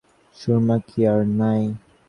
সুরমা কি আর নাই?